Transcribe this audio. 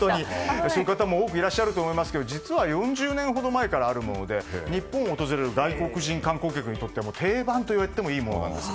そういう方も多くいらっしゃると思いますけど実は４０年ほど前からあるもので日本を訪れる外国人観光客にとっては定番と言ってもいいものなんです。